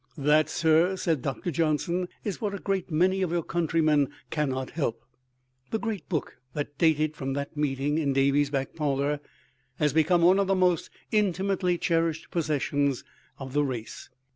"That, sir," said Doctor Johnson, "is what a great many of your countrymen cannot help." The great book that dated from that meeting in Davies's back parlor has become one of the most intimately cherished possessions of the race.